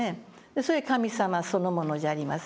それは神様そのものじゃありませんか。